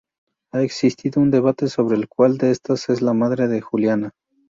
Ha existido un debate sobre cual de estas es la madre de Juliana.